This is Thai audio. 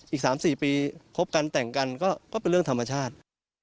อีก๓๔ปีคบกันแต่งกันก็เป็นเรื่องธรรมชาติ